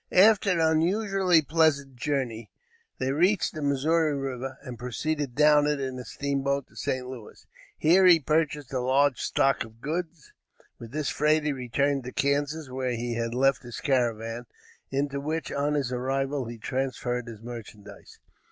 After an unusually pleasant journey, he reached the Missouri River, and proceeded down it, in a steamboat, to St. Louis. Here he purchased a large stock of goods. With this freight, he returned to Kansas, where he had left his caravan, into which, on his arrival, he transferred his merchandise.